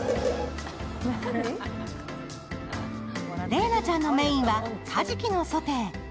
麗菜ちゃんのメーンはカジキのソテー。